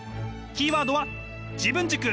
キーワードは自分軸！